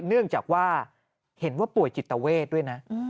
เนื่องจากว่าเห็นว่าป่วยจิตเวทด้วยนะ